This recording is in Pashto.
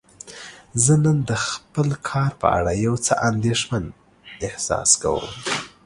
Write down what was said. زه نن د خپل کار په اړه یو څه اندیښمن احساس کوم.